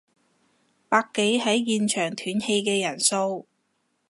百幾係現場斷氣嘅人數